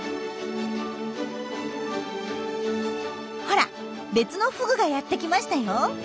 ほら別のフグがやってきましたよ。